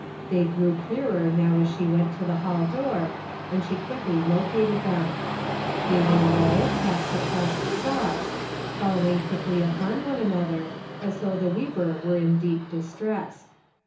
They grew clearer now as she went to the hall door, and she quickly located them. They were low, half suppressed sobs, following quickly upon one another, as though the weeper were in deep distress.